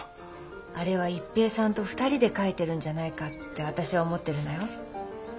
あれは一平さんと二人で書いてるんじゃないかって私は思ってるのよ。